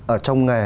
ở trong nghề